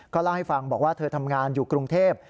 เล่าให้ฟังบอกว่าเธอทำงานอยู่กรุงเทพ